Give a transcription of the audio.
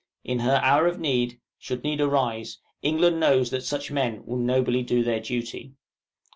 In her hour of need should need arise England knows that such men will nobly do their duty.